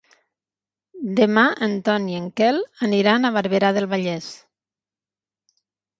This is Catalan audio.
Demà en Ton i en Quel aniran a Barberà del Vallès.